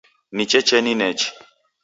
Ni checheni nechi.